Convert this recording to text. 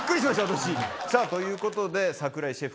私さぁということで櫻井シェフ